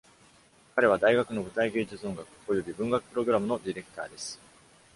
彼は、大学の舞台芸術音楽および文学プログラムのディレクターです。